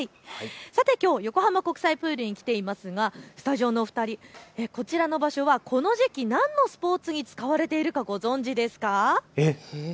さてきょう横浜国際プールに来ていますがスタジオのお二人、こちらの場所はこの時期何のスポーツに使われているかご存じですか。